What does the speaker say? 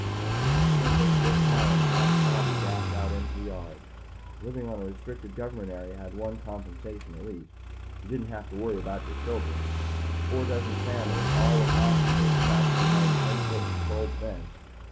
Mrs. Kendall, still smiling, watched Bobby dash out into the yard. Living on a restricted government area had one compensation at least. You didn't have to worry about your children. Four dozen families, all with offspring, trapped behind ten foot patrolled fence.